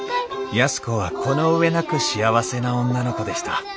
安子はこの上なく幸せな女の子でした。